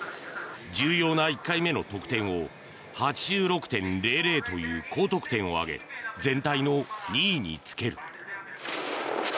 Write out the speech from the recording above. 重要な１回目の得点を８６．００という高得点を挙げ全体の２位につける。